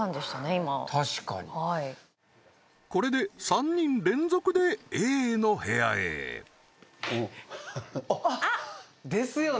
今確かにはいこれで３人連続でＡの部屋へあっあっ！ですよね？